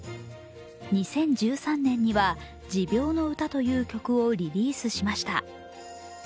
２０１３年には「持病の歌」という曲をリリースしました。